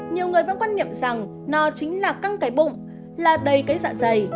nhiều người vẫn quan niệm rằng nó chính là căng cái bụng là đầy cái dạ dày